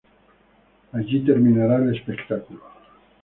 Allí terminará el espectáculo.